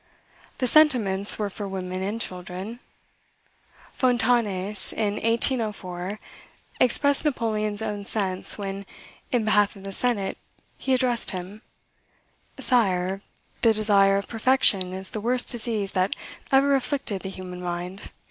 The sentiments were for women and children. Fontanes, in 1804, expressed Napoleon's own sense, when, in behalf of the Senate, he addressed him, "Sire, the desire of perfection is the worst disease that ever afflicted the human mind."